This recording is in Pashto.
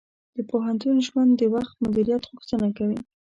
د پوهنتون ژوند د وخت مدیریت غوښتنه کوي.